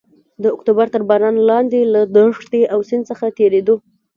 د اکتوبر تر باران لاندې له دښتې او سیند څخه تېرېدو.